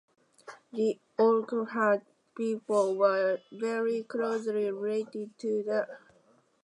The Olkhunut people were very closely related to the Hongirad clan.